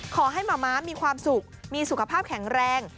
ขอให้มะมะมีความสุขมีสุขภาพแข็งแรง